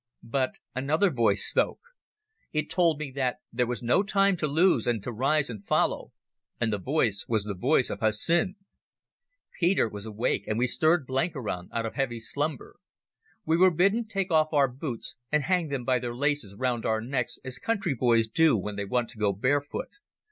But another voice spoke. It told me that there was no time to lose and to rise and follow, and the voice was the voice of Hussin. Peter was awake, and we stirred Blenkiron out of heavy slumber. We were bidden take off our boots and hang them by their laces round our necks as country boys do when they want to go barefoot.